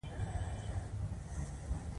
نفت د افغانستان د چاپیریال د مدیریت لپاره مهم دي.